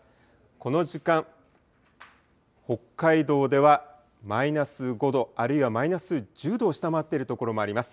この時間、北海道ではマイナス５度、あるいはマイナス１０度を下回っている所もあります。